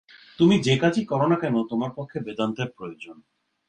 তুমি যে-কাজই কর না কেন, তোমার পক্ষে বেদান্তের প্রয়োজন।